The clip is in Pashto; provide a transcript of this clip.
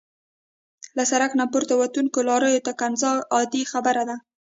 له سړک نه پورې وتونکو لارویو ته کنځا عادي خبره ده.